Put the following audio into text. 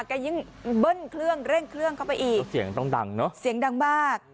แกยิ่งเบิ้ลเครื่องเร่งเครื่องเข้าไปอีกเสียงต้องดังเนอะเสียงดังมาก